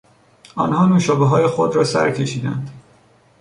آنها نوشابههای خود را سرکشیدند.